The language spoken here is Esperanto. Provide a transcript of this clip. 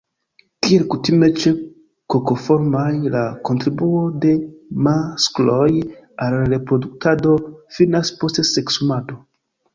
Kiel kutime ĉe Kokoformaj, la kontribuo de maskloj al reproduktado finas post seksumado.